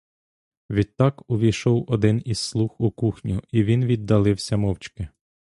Відтак увійшов один із слуг у кухню, і він віддалився мовчки.